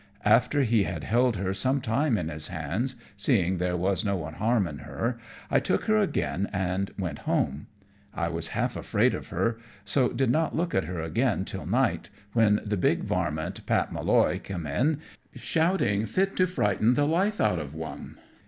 After he had held her some time in his hands, seeing there was no harm in her, I took her again and went home. I was half afraid of her, so did not look at her again till night, when the big varmint, Pat Molloy, came in, shouting fit to frighten the life out of one.